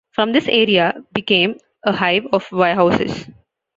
From this the area became a hive of warehouses.